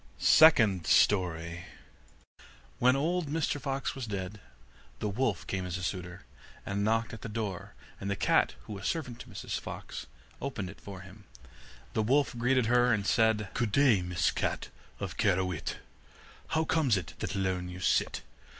SECOND STORY When old Mr Fox was dead, the wolf came as a suitor, and knocked at the door, and the cat who was servant to Mrs Fox, opened it for him. The wolf greeted her, and said: 'Good day, Mrs Cat of Kehrewit, How comes it that alone you sit?